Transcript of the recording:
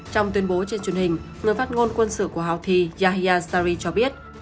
trên truyền hình người phát ngôn quân sự của hào thi yahya sari cho biết